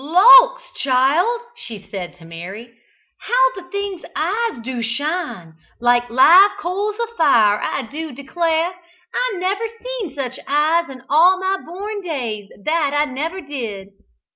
"Lawkes! child!" she said to Mary; "how the thing's eyes do shine! Like live coals of fire, I do declare. I never seen such eyes in all my born days, that I never did!"